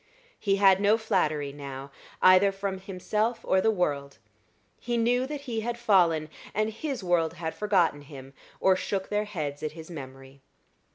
He had no flattery now, either from himself or the world; he knew that he had fallen, and his world had forgotten him, or shook their heads at his memory.